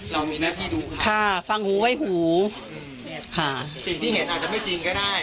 เรามีหน้าที่ดูค่ะฟังหูไว้หูเนี่ยค่ะสิ่งที่เห็นอาจจะไม่จริงก็ได้